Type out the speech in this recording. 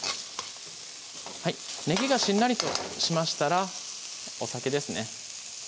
ねぎがしんなりとしましたらお酒ですね